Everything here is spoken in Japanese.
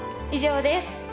以上です。